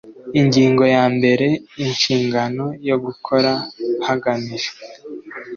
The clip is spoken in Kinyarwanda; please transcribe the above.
ingingo ya mbere inshingano yo gukora hagamijwe